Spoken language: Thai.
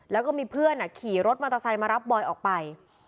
แล้วก็มีเพื่อนขี่รถมอเตอร์ไซค์มารับบอยออกไป